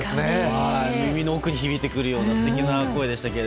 耳の奥に響いてくるような素敵な声でしたが。